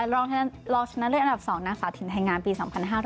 รองชนะเรียกอันดับสองนางสาวถิ่นไทยงานปี๒๕๖๑ค่ะ